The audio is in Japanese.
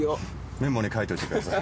メモに書いといてください。